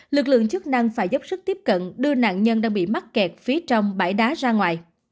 lực lượng chức năng phải dốc sức tiếp cận đưa nạn nhân đang bị mắc kẹt phía trong bãi đá ra ngoài